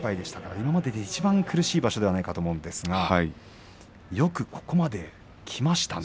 今まででいちばん苦しい場所だったと思いますがよくここまできましたね。